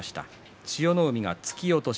千代の海、突き落とし。